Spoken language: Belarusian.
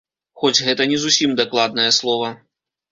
Хоць гэта не зусім дакладнае слова.